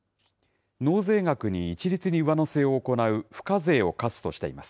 納税額に一律に上乗せを行う付加税を課すとしています。